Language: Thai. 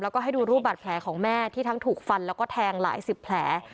แล้วก็ให้ดูรูปบาดแผลของแม่ที่ทั้งถูกฟันแล้วก็แทงหลายสิบแผล